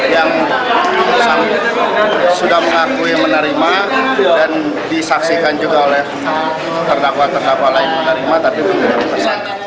yang sudah mengakui menerima dan disaksikan juga oleh terdakwa terdakwa lain menerima tapi pun menjadi tersangka